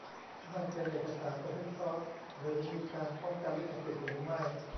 นั่นเป็นเอกสารโอเพนซอร์ซหรือมีการป้องกันลิขสิทธิ์หรือไม่